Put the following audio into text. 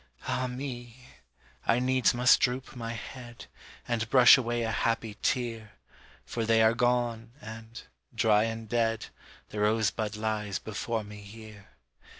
Ah me! I needs must droop my head, And brush away a happy tear, For they are gone, and, dry and dead, The rosebud lies before me here.